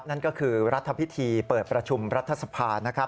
นั่นก็คือรัฐพิธีเปิดประชุมรัฐสภานะครับ